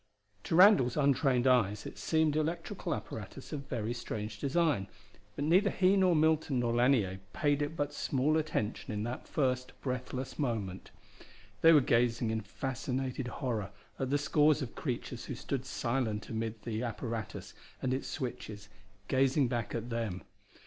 To Randall's untrained eyes it seemed electrical apparatus of very strange design, but neither he nor Milton nor Lanier paid it but small attention in that first breathless moment. They were gazing in fascinated horror at the scores of creatures who stood silent amid the apparatus and at its switches, gazing back at them.